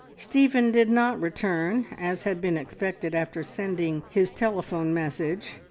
Stephen did not return as had been expected after sending his telephone message.